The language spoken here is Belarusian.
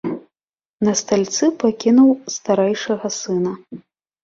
На стальцы пакінуў старэйшага сына.